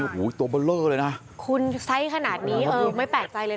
โหตัวเบลอเลยนะคุณไซ่ขนาดนี้ไม่แปลกใจเลย